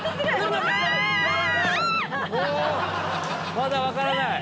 まだ分からない！